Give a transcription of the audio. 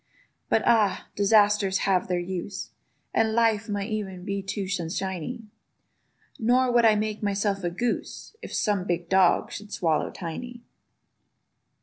But ah! disasters have their use; And life might e'en be too sunshiny: Nor would I make myself a goose, If some big dog should swallow Tiny.